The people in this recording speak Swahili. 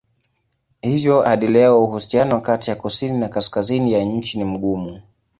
Hivyo hadi leo uhusiano kati ya kusini na kaskazini ya nchi ni mgumu.